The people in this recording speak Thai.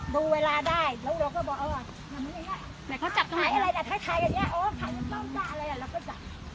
ดูเวลาได้แล้วเราก็บอก